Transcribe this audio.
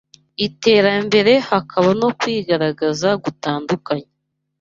iterambere hakaba no kwigaragaza gutandukanye